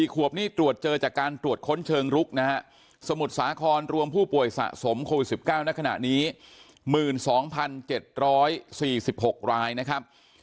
ขวบนี่ตรวจเจอจากการตรวจค้นเชิงลุกนะฮะสมุทรสาครรวมผู้ป่วยสะสมโควิด๑๙ณขณะนี้๑๒๗๔๖รายนะครับ